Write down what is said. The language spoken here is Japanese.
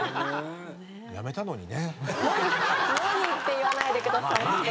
「のに」って言わないでください。